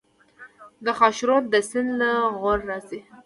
د خاشرود سیند له غور راځي